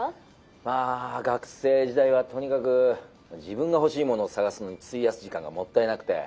まあ学生時代はとにかく自分が欲しいものを探すのに費やす時間がもったいなくて。